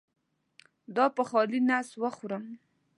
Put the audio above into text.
دا په خالي نس وخورم؟